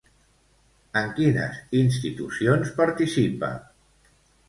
En quines institucions participa?